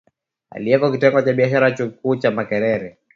aliyeko Kitengo cha Biashara Chuo Kikuu cha Makerere